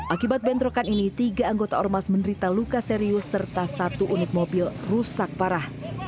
akibat bentrokan ini tiga anggota ormas menderita luka serius serta satu unit mobil rusak parah